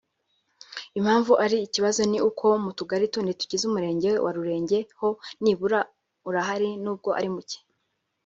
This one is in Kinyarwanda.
Impamvu ari ikibazo ni uko mu Tugali tundi tugize Umurenge wa Rurenge ho nibura urahari nubwo ari muke